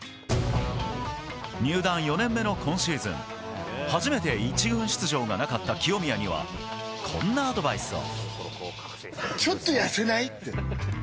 入団４年目の今シーズン、初めて１軍出場がなかった清宮にはこんなアドバイスを。